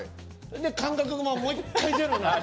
感覚がもう１回ゼロになって。